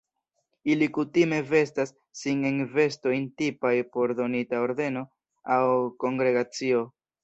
Ili kutime vestas sin en vestojn tipaj por donita ordeno aŭ kongregacio.